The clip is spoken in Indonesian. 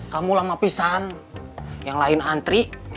kamu lama pisang yang lain antri